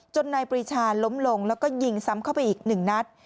นายปรีชาล้มลงแล้วก็ยิงซ้ำเข้าไปอีกหนึ่งนัด